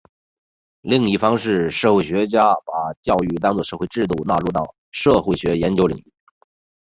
另一方是社会学家把教育当作社会制度纳入到社会学研究领域。